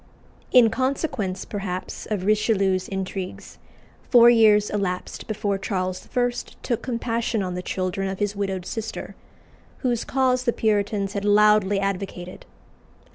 In consequence, perhaps, of Richelieu's intrigues, four years elapsed before Charles I. took compassion on the children of his widowed sister, whose cause the Puritans had loudly advocated.